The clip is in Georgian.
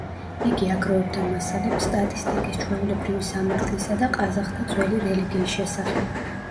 იგი აგროვებდა მასალებს სტატისტიკის, ჩვეულებრივი სამართლისა და ყაზახთა ძველი რელიგიის შესახებ.